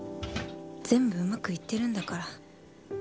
全部うまくいってるんだから